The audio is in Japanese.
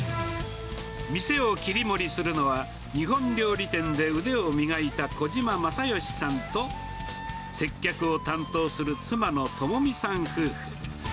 店を切り盛りするのは、日本料理店で腕を磨いたこじままさよしさんと、接客を担当する妻の知己さん夫婦。